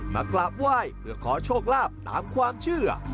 มากราบไหว้เพื่อขอโชคลาภตามความเชื่อ